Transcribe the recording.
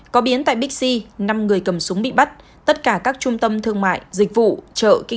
có biến tại bixi năm người cầm súng bị bắt tất cả các trung tâm thương mại dịch vụ kỹ